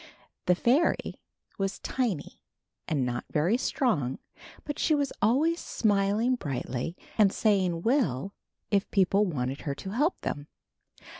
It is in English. The fairy was tiny and not very strong but she was always smiling brightly and say ing will," if people wanted her to help them.